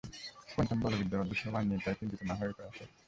Quantum বলবিদ্যার অদ্ভুত সব আইন নিয়ে তাই চিন্তিত না হয়ে উপায় আছে?